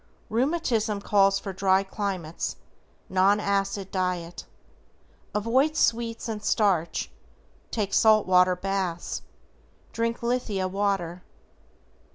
Rheumatism calls for dry climates, non acid diet. Avoid sweets and starch, take salt water baths, drink lithia water.